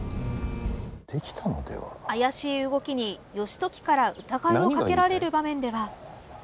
怪しい動きに義時から疑いをかけられる場面では。